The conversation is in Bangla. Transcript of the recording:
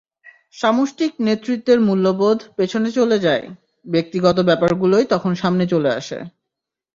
সামষ্টিক নেতৃত্বের মূল্যবোধ পেছনে চলে যায়, ব্যক্তিগত ব্যাপারগুলোই তখন সামনে চলে আসে।